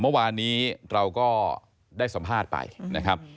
เมื่อวานนี้เราก็ได้สัมภาษณ์ไปนะครับ